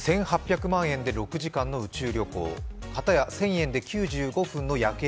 １８００万円で６時間宇宙旅行、方や１０００円で９５分の夜景